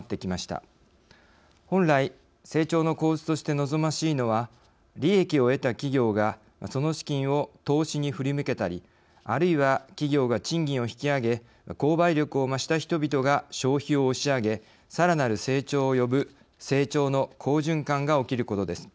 本来成長の構図として望ましいのは利益を得た企業がその資金を投資に振り向けたりあるいは企業が賃金を引き上げ購買力を増した人々が消費を押し上げさらなる成長を呼ぶ成長の好循環が起きることです。